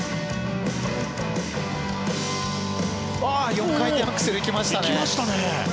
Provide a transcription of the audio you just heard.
４回転アクセル行きましたね！